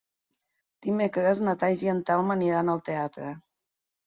Dimecres na Thaís i en Telm aniran al teatre.